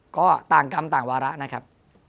ก็ต่างกรรมต่างวาระนะครับ